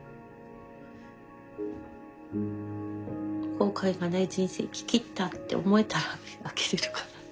後悔がない人生生ききったって思えたら開けれるかな。